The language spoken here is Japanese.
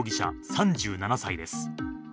３７歳です。